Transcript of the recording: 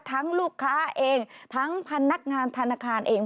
ลูกค้าเองทั้งพนักงานธนาคารเอง